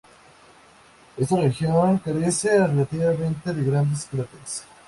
Esta región carece relativamente de grandes cráteres.